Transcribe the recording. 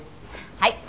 はい！